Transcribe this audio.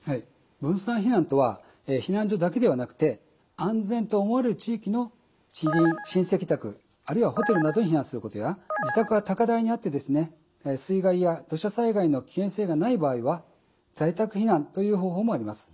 分散避難とは避難所だけではなくて安全と思われる地域の知人・親戚宅あるいはホテルなどに避難することや自宅が高台にあって水害や土砂災害の危険性がない場合は在宅避難という方法もあります。